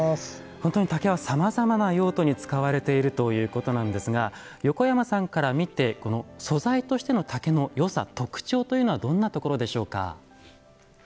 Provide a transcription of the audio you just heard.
本当に竹はさまざまな用途に使われているということなんですが横山さんから見てこの素材としての竹のよさ特徴というのはどんなところでしょうか？